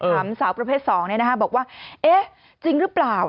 ถามสาวประเภท๒บอกว่าเอ๊ะจริงหรือเปล่า